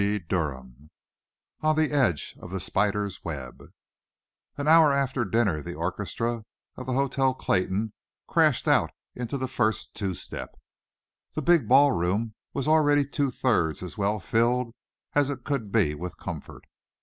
CHAPTER III ON THE EDGE OF THE SPIDER'S WEB An hour after dinner the orchestra of the Hotel Clayton crashed out into the first two step. The big ballroom was already two thirds as well filled as it could be with comfort.